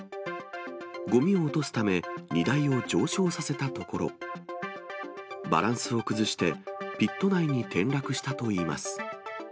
ごみを落とすため荷台を上昇させたところ、バランスを崩してピット内に転落したといいます。